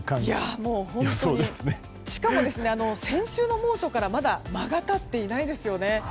しかも、先週の猛暑から間が経っていないですよね。